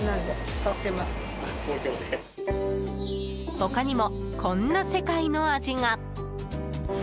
他にも、こんな世界の味が。